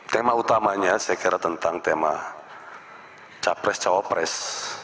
tema utamanya saya kira tentang tema capres cawapres